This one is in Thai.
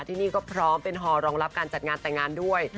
ที่นี่ก็พร้อมเป็นฮอรองรับการจัดงานแต่งงานด้วย